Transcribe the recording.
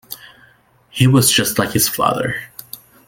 He was just like his father.